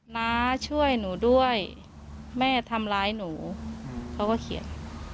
น้าช่วยหนูด้วยแม่ทำร้ายหนูเขาก็เขียน